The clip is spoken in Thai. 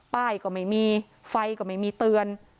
ป้ายก็ไม่มีไฟก็ไม่มีเตือน